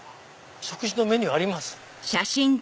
食事のメニューあります。